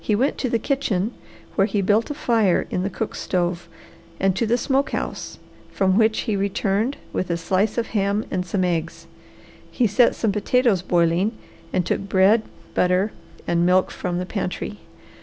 He went to the kitchen, where he built a fire in the cook stove, and to the smoke house, from which he returned with a slice of ham and some eggs. He set some potatoes boiling and took bread, butter and milk from the pantry.